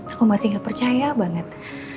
aku masih gak percaya banget